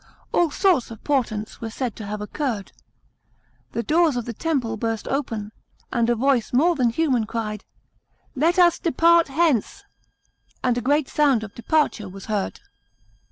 All sorts of portents were said to have .occurred. The doors of the Temple burst open, and a voice more than human cried, " Let us depart hence !" and a great sound of departure was heard.